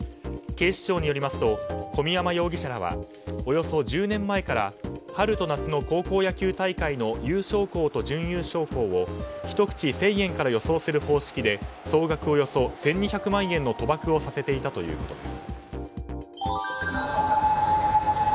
警視庁によりますと小宮山容疑者らはおよそ１０年前から春と夏の高校野球大会の優勝校と準優勝校を１口１０００円から予想する方式で総額およそ１２００万円の賭博をさせていたということです。